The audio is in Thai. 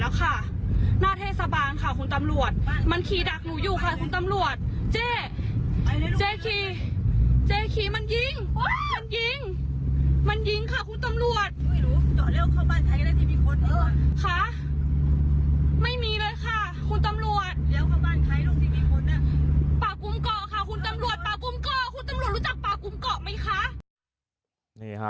ป่ากุมเกาะค่ะคุณตำรวจป่ากุมเกาะคุณตำรวจรู้จักป่ากุมเกาะไหมคะ